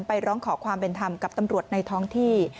ร้องขอความเป็นธรรมกับตำรวจในท้องที่